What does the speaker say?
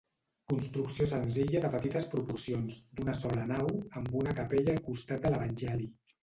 Construcció senzilla de petites proporcions, d'una sola nau, amb una capella al costat de l'Evangeli.